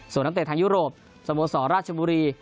ส่วนนักเตะทางยุโรปสโมสรราชบุรี